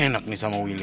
gak enak nih sama willy